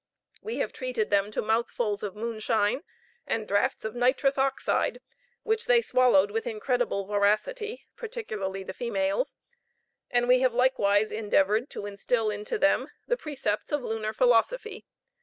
We have treated them to mouthfuls of moonshine, and draughts of nitrous oxide, which they swallowed with incredible voracity, particularly the females; and we have likewise endeavored to instil into them the precepts of lunar philosophy.